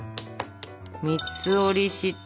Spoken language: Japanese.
三つ折りして。